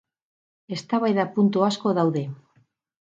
Eztabaida puntu asko daude.